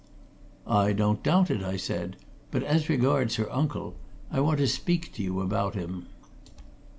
"I don't doubt it," I said. "But as regards her uncle I want to speak to you about him."